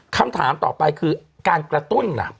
คำถามต่อไปคือการกระตุ้นล่ะ